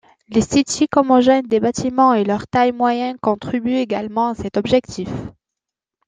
L'esthétique homogène des bâtiments et leur taille moyenne contribuent également à cet objectif.